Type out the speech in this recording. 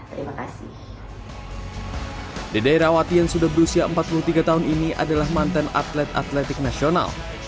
terima kasih dede rawatian sudah berusia empat puluh tiga tahun ini adalah mantan atlet atletik nasional